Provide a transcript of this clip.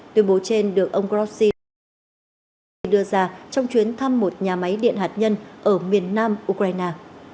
tuyên bố trên được ông grossi đưa ra trong chuyến thăm một nhà máy điện hạt nhân ở miền nam ukraine